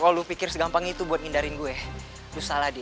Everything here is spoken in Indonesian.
kalo lu pikir segampang itu buat ngindarin gue lu salah din